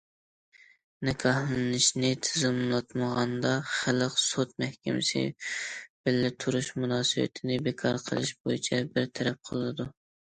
نىكاھلىنىشنى تىزىملاتمىغاندا، خەلق سوت مەھكىمىسى بىللە تۇرۇش مۇناسىۋىتىنى بىكار قىلىش بويىچە بىر تەرەپ قىلىدۇ.